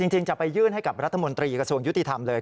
จริงจะไปยื่นให้กับรัฐมนตรีกระทรวงยุติธรรมเลย